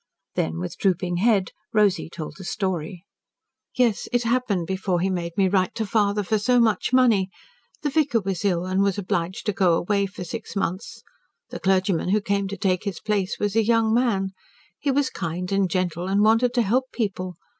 Then with drooping head, Rosy told the story. "Yes, it happened before he made me write to father for so much money. The vicar was ill and was obliged to go away for six months. The clergyman who came to take his place was a young man. He was kind and gentle, and wanted to help people.